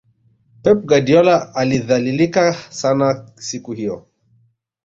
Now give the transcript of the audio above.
pep guardiola alidhalilika sana siku hiyo